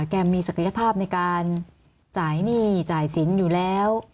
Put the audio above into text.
มีศักยภาพในการจ่ายหนี้จ่ายสินอยู่แล้ว